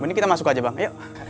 mending kita masuk aja bang ayo